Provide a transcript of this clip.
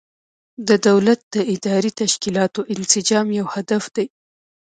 د دولت د اداري تشکیلاتو انسجام یو هدف دی.